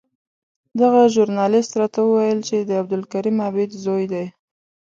دغه ژورنالېست راته وویل چې د عبدالکریم عابد زوی دی.